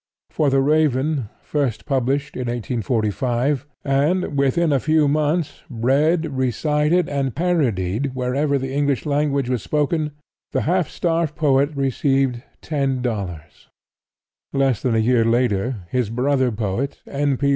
For "The Raven," first published in 1845, and, within a few months, read, recited and parodied wherever the English language was spoken, the half starved poet received $10! Less than a year later his brother poet, N. P.